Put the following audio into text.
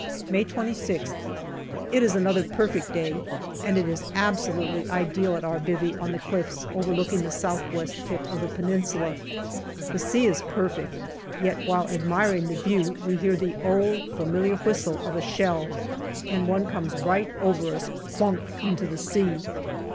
May 26th. It is another perfect day, and it is absolutely ideal at our " bivvy " on the cliffs overlooking the south west tip of the Peninsula. The sea is perfect, yet while admiring the view we hear the old familiar whistle of a shell, and one comes right over us, " plonk " into the sea.